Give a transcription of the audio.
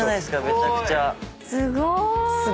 めちゃくちゃ。